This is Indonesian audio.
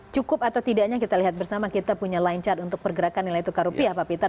cukup atau tidaknya kita lihat bersama kita punya line chart untuk pergerakan nilai tukar rupiah pak peter